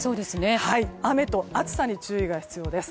雨と暑さに注意が必要です。